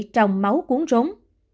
trong máu cuốn rốn